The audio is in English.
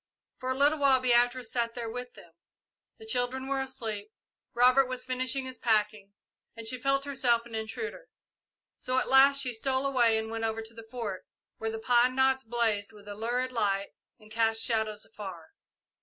For a little while Beatrice sat there with them. The children were asleep, Robert was finishing his packing, and she felt herself an intruder, so at last she stole away and went over to the Fort, where the pine knots blazed with a lurid light and cast shadows afar.